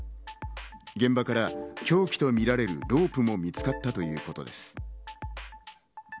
現場から凶器とみられるロープも見つかったということです。